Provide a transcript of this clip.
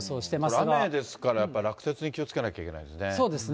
これ、雨ですから、やっぱり落雪に気をつけなきゃいけないでそうですね。